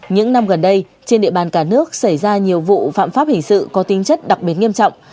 những năm gần đây trên địa bàn cả nước xảy ra nhiều vụ phạm pháp hình sự có tinh chất đặc biệt nghiêm trọng